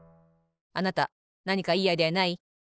あなたなにかいいアイデアない？